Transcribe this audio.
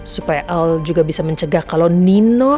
supaya al juga bisa mencegah kalau nino nekat